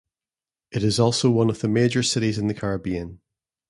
It is also one of the major cities in the Caribbean.